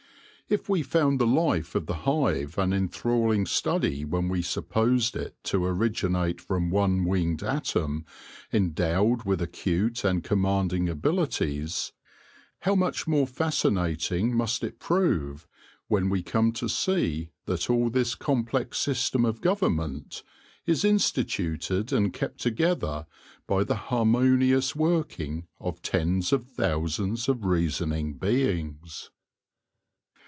If we found the life of the hive an enthralling study when we supposed it to originate from one winged atom endowed with acute and commanding abilities, how much more fascinating must it prove when we come to see that all this complex system of govern ment is instituted and kept together by the har monious working of tens of thousands of reasoning beings